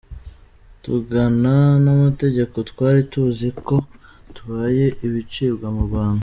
Tugongana n’amategeko twari tuzi ko tubaye ibicibwa mu Rwanda.